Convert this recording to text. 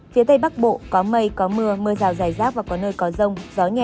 phía tây bắc bộ có mây có mưa mưa rào dài rác và có nơi có rông gió nhẹ